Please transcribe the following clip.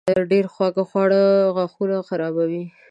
ډېر خواږه خواړه غاښونه خرابوي.